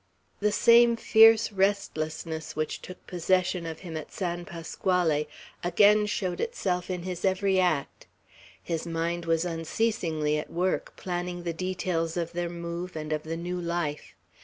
The same fierce restlessness which took possession of him at San Pasquale again showed itself in his every act. His mind was unceasingly at work, planning the details of their move and of the new life.